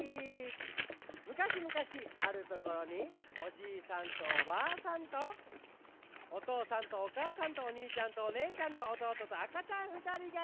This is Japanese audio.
むかしむかしあるところにおじいさんとおばあさんとおとうさんとおかあさんとおにいちゃんとおねえちゃんとおとうととあかちゃんふたりがいました。